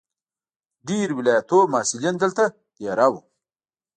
د ډېرو ولایتونو محصلین دلته دېره وو.